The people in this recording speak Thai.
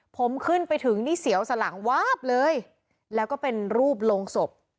ผมขึ้นไปถึงนี่เสียวสลังวาบเลยแล้วก็เป็นรูปลงศพ